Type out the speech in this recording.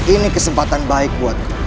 ini kesempatan baik buatku